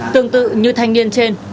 tương tự như thanh niên trên